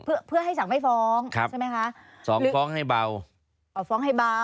เพื่อเพื่อให้สั่งไม่ฟ้องครับใช่ไหมคะสองฟ้องให้เบาอ๋อฟ้องให้เบา